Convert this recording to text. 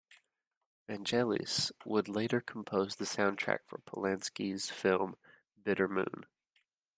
Vangelis would later compose the soundtrack for Polanski's film "Bitter Moon".